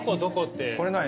これ何？